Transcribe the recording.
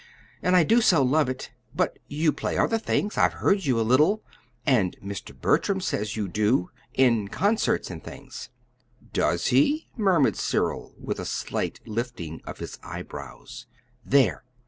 And I do so love it! But you play other things; I've heard you a little, and Mr. Bertram says you do in concerts and things." "Does he?" murmured Cyril, with a slight lifting of his eyebrows. "There!